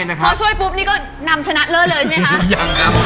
ตรงกับเบอร์ได้๗ยูโรครับ